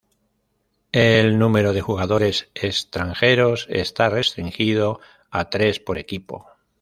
El número de jugadores extranjeros está restringido a tres por equipo.